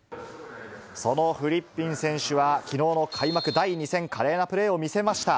そのフリッピン選手は、きのうの開幕第２戦、華麗なプレーを見せました。